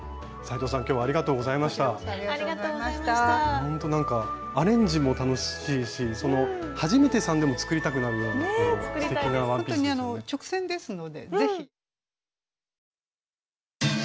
ほんとアレンジも楽しいし初めてさんでも作りたくなるようなすてきなワンピースですね。